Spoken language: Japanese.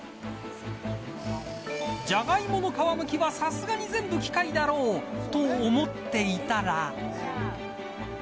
ジャガイモの皮むきはさすがに全部機械だろうと思っていたら。